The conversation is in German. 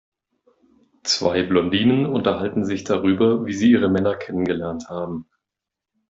Zwei Blondinen unterhalten sich darüber, wie sie ihre Männer kennengelernt haben.